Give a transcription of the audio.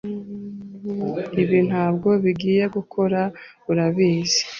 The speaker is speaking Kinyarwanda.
Ibi ntabwo bigiye gukora, urabizi.